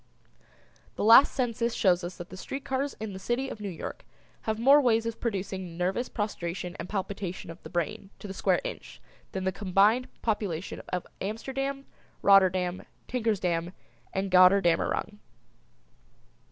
The last census shows us that the street cars in the city of New York have more ways of producing nervous prostration and palpitation of the brain to the square inch than the combined population of Amsterdam, Rotterdam, Tinkersdam and Gotterdammerung.